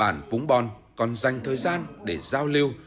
và dân tộc cống bản búng bon còn dành thời gian để giao lưu